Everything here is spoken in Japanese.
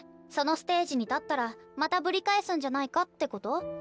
そのステージに立ったらまたぶり返すんじゃないかってこと？